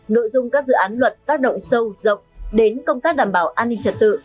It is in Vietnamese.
nội dung các dự án luật tác động sâu rộng đến công tác đảm bảo an ninh trật tự